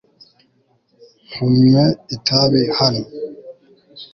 Ntunywe itabi hano